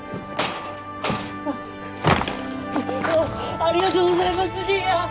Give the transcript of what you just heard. ありがとうございます兄やん